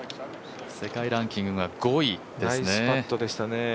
世界ランキングが５位ですね。